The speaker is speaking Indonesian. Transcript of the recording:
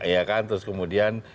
ya kan terus kemudian